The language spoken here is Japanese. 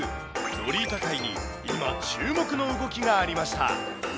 ロリータ界に今注目の動きがありました。